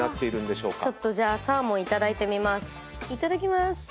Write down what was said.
いただきます。